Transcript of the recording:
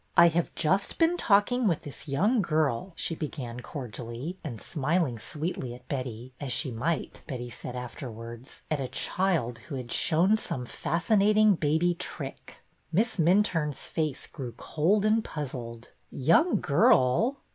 ] j I have just been talking with this young BETTY'S CLIENT 307 girl," she began cordially, and smiling sweetly at Betty, as she might, Betty said afterwards, at a child who had shown some fascinating baby trick. Miss Minturne's face grew cold and puzzled. Young girl?